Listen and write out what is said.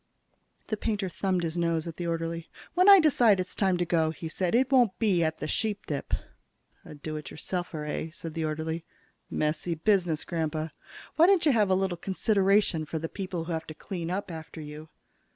The painter thumbed his nose at the orderly. "When I decide it's time to go," he said, "it won't be at the Sheepdip." "A do it yourselfer, eh?" said the orderly. "Messy business, Grandpa. Why don't you have a little consideration for the people who have to clean up after you?"